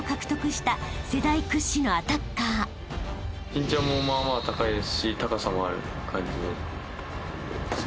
身長もまあまあ高いですし高さもある感じで。